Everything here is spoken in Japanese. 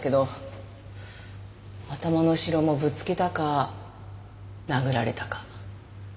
頭の後ろもぶつけたか殴られたか。